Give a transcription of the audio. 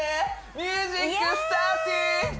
ミュージックスターティー！